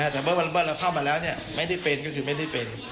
แต่เมื่อเราเข้ามาแล้วไม่ได้เป็นก็คือไม่ได้เป็น